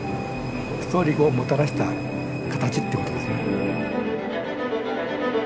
ストーリーをもたらした形ってことですね。